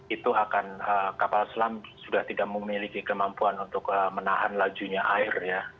itu akan kapal selam sudah tidak memiliki kemampuan untuk menahan lajunya air ya